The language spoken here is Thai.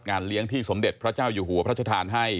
เลี้ยงที่สมเด็จพระเจ้าอยู่หัวพระชธานให้